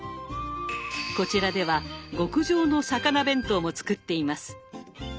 こちらでは極上の魚弁当も作っています。